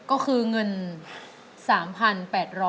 ก็คือเงิน๓๘๐๐บาท